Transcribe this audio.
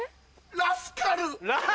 ラスカル！